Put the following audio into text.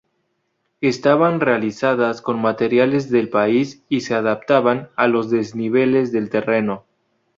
Estaban realizadas con materiales del país y se adaptaban a los desniveles del terreno.